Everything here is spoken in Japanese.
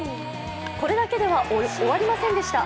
これだけでは終わりませんでした。